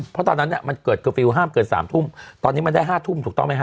เพราะตอนนั้นเนี่ยมันเกิดเคอร์ฟิลล์ห้ามเกิน๓ทุ่มตอนนี้มันได้๕ทุ่มถูกต้องไหมฮ